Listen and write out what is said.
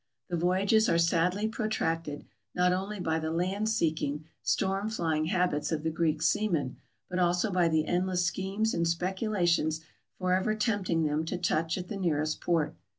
The voyages are sadly protracted, not only by the land seeking, storm flying habits of the Greek seamen, but also by the endless schemes and speculations forever tempting them to touch at the nearest port.